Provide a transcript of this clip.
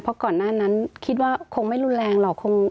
เพราะก่อนหน้านั้นคิดว่าคงไม่รุนแรงหรอก